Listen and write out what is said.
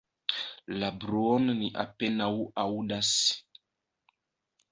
La bruon ni apenaŭ aŭdas.